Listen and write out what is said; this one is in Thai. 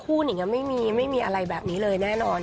หนิงไม่มีไม่มีอะไรแบบนี้เลยแน่นอน